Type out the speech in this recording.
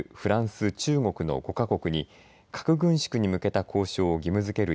フランス、中国の５か国に核軍縮に向けた交渉を義務づける